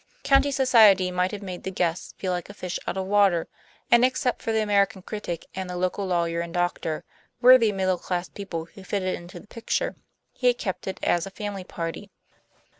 County society might have made the guest feel like a fish out of water; and, except for the American critic and the local lawyer and doctor, worthy middle class people who fitted into the picture, he had kept it as a family party.